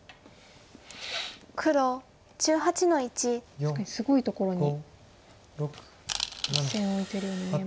確かにすごいところに１線オイてるように見えますが。